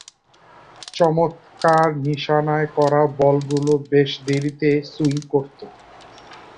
চমৎকার নিশানায় করা বলগুলো বেশ দেরীতে সুইং করতো।